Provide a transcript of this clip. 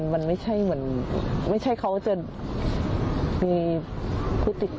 มันไม่ใช่เขาจะมีพฤติกรรม